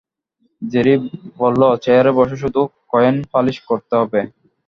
Jerry বলল চেয়ারে বসে শুধু কয়েন পালিশ করতে হবে।